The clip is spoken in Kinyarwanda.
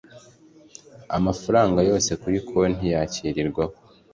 Amafaranga yose kuri konti yakirirwaho